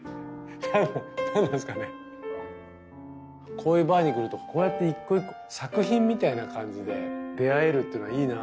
こういうバーに来るとこうやって一個一個作品みたいな感じで出合えるっていうのはいいな。